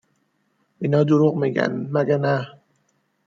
اینا دروغ میگن مگه نه ؟